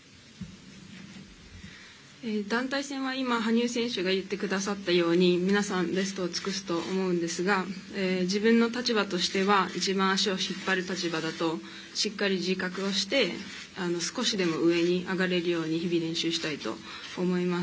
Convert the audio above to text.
団体戦は今、羽生選手が言ってくださったように皆さんベストを尽くすと思うんですが自分の立場としては一番足を引っ張る立場だとしっかり自覚をして少しでも上に上がれるように日々、練習したいと思います。